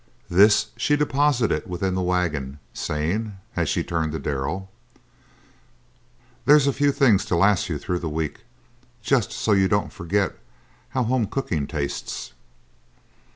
This she deposited within the wagon, saying, as she turned to Darrell, "There's a few things to last you through the week, just so you don't forget how home cooking tastes."